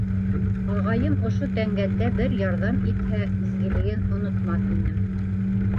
Ағайым ошо тәңгәлдә бер ярҙам итһә, изгелеген онотмаҫ инем.